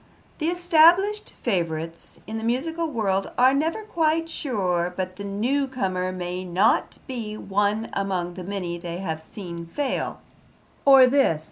'The established favourites in the musical world are never quite sure but the new comer may not be one among the many they have seen fail'; or this?